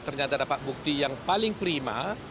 ternyata dapat bukti yang paling prima